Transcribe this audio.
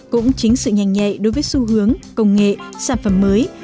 cũng chính sự nhanh nhạy đối với xu hướng công nghệ sản phẩm mới